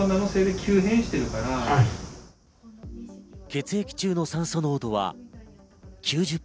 血液中の酸素濃度は９０％。